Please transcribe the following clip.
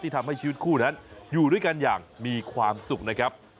ทำให้ชีวิตคู่นั้นอยู่ด้วยกันอย่างมีความสุขนะครับ